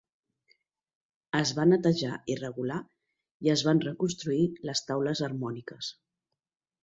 Es va netejar i regular, i es van reconstruir les taules harmòniques.